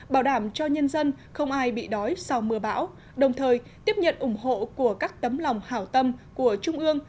bảo đảm cho nhân dân không ai bị đói sau mưa bão đồng thời tiếp nhận ủng hộ của các tấm lòng hảo tâm của trung ương